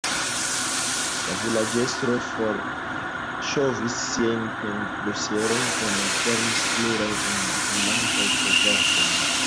La vilaĝestro forŝovis siajn pend-dosierojn kaj malfermis plurajn el atendantaj kovertoj.